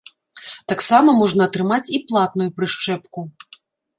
Таксама можна атрымаць і платную прышчэпку.